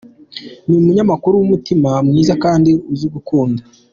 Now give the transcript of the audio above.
Ni umunyakuri, w’umutima mwiza kandi uzi gukunda.